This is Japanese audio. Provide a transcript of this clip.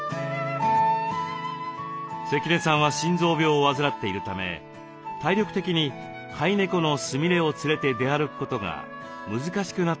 関根さんは心臓病を患っているため体力的に飼い猫のスミレを連れて出歩くことが難しくなってしまいました。